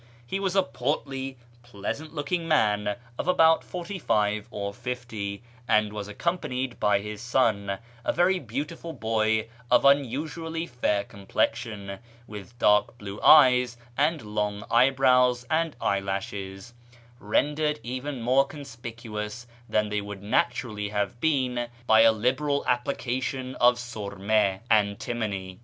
He was a portly, pleasant looking man of about forty five or fifty, and was accompanied by his son, a very beautiful boy of unusually fair complexion, with dark blue eyes, and long eyebrows and eyelashes, rendered even more conspicuous than they would naturally have been by a liberal application of surma (anti mony).